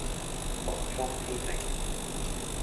洪荒之力